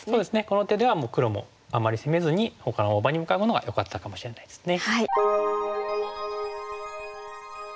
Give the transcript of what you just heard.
この手ではもう黒もあまり攻めずにほかの大場に向かうのがよかったかもしれないですね。